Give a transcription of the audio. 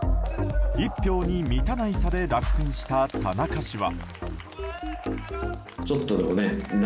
１票に満たない差で落選した田中氏は。